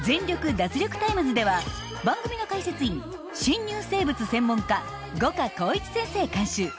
脱力タイムズ」では番組の解説員、侵入生物専門家五箇公一先生監修